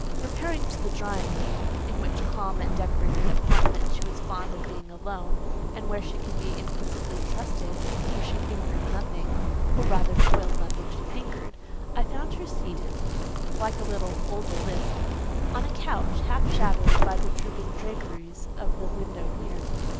Repairing to the drawing room—in which calm and decorated apartment she was fond of being alone, and where she could be implicitly trusted, for she fingered nothing, or rather soiled nothing she fingered—I found her seated, like a little Odalisque, on a couch, half shaded by the drooping draperies of the window near.